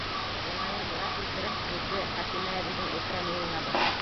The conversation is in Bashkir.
Мин, уңайын тура килтереп, һүҙҙе Хәкимә әбейҙең үткән юлына борам.